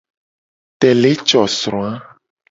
Tele co sro a.